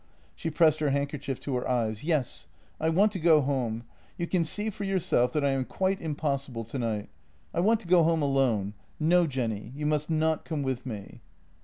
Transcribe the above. She pressed her handker chief to her eyes. "Yes; I want to go home — you can see for yourself that I am quite impossible tonight. I want to go home alone. No, Jenny, you must not come with me."